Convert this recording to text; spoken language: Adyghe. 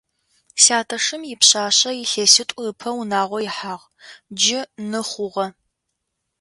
Сятэшым ипшъашъэ илъэситӏу ыпэ унагъо ихьагъ, джы ны хъугъэ.